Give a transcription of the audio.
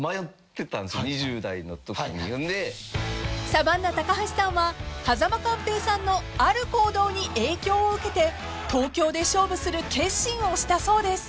［サバンナ高橋さんは間寛平さんのある行動に影響を受けて東京で勝負する決心をしたそうです］